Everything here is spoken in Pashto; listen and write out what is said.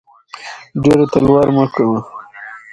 له مختلفو قومونو سره وغږېد.